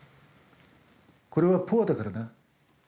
これはポアだからな。